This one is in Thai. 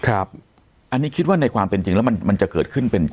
อันนี้คิดว่าในความเป็นจริงแล้วมันจะเกิดขึ้นเป็น